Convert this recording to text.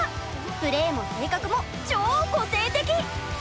プレーも性格も超個性的。